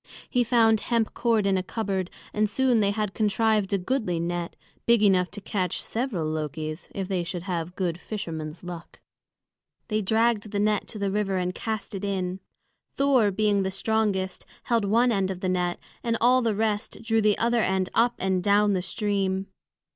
He found hemp cord in a cupboard, and soon they had contrived a goodly net, big enough to catch several Lokis, if they should have good fisherman's luck. They dragged the net to the river and cast it in. Thor, being the strongest, held one end of the net, and all the rest drew the other end up and down the stream.